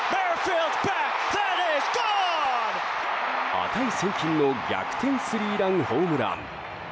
値千金の逆転スリーランホームラン。